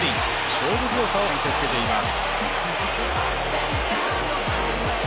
勝負強さを見せつけています。